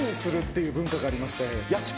いう文化がありまして。